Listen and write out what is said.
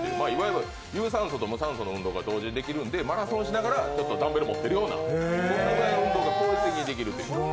いわゆる有酸素と無酸素の運動が同時にできるのでマラソンしながらダンベルを持っているような運動が効率的にできるという。